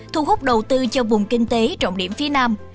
thu hút đầu tư cho vùng kinh tế trọng điểm phía nam